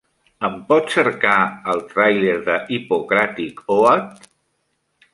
Em pots cercar el tràiler de Hippocratic Oath?